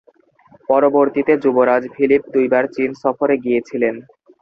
পরবর্তীতে যুবরাজ ফিলিপ দুইবার চীন সফরে গিয়েছিলেন।